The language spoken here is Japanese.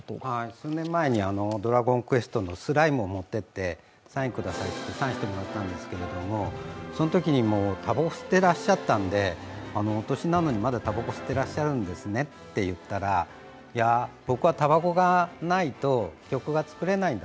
数年前に「ドラゴンクエスト」のスライムを持っていってサインくださいって、サインしてもらったんですけれどもそのときにもたばこを吸っていらっしゃったので、お年なのにまだたばこ吸ってらっしゃるんですねと言ったらいや、僕はたばこがないと曲が作れないんだ。